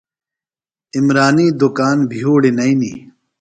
عمرانی دُکان بھیوڑیۡ نئینیۡ۔